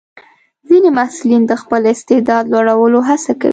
ځینې محصلین د خپل استعداد لوړولو هڅه کوي.